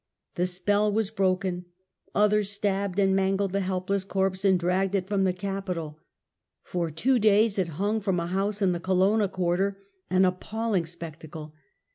The spell was broken. Others stabbed and mangled the helpless corpse and dragged it from the Capitol. For two days it hung from a house in the Colonna quarter, an appalling spec tacle.